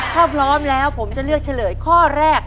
ถ้าพร้อมแล้วผมจะเลือกเฉลยข้อแรก